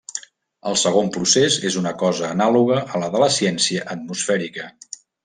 El segon procés és una cosa anàloga a la de la ciència atmosfèrica.